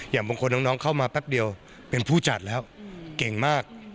บางคนน้องเข้ามาแป๊บเดียวเป็นผู้จัดแล้วเก่งมาก